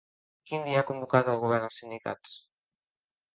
Quin dia ha convocat el govern als sindicats?